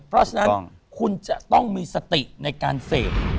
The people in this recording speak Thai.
เพราะฉะนั้นคุณจะต้องมีสติในการเสพ